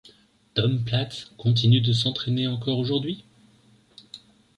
Tom Platz continue de s'entraîner encore aujourd'hui.